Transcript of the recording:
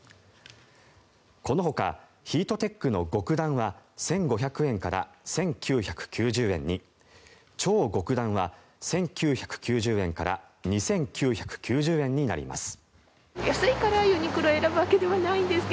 このほかヒートテックの極暖は１５００円から１９９０円に超極暖は１９９０円から２９９０円になります。